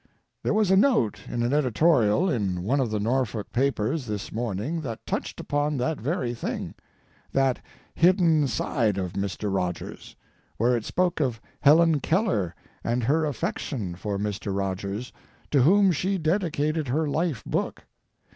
There was a note in an editorial in one of the Norfolk papers this morning that touched upon that very thing, that hidden side of Mr. Rogers, where it spoke of Helen Keller and her affection for Mr. Rogers, to whom she dedicated her life book.